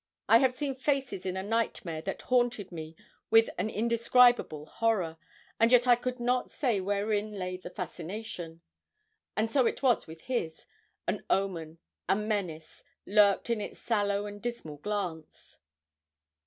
I have seen faces in a nightmare that haunted me with an indescribable horror, and yet I could not say wherein lay the fascination. And so it was with his an omen, a menace, lurked in its sallow and dismal glance.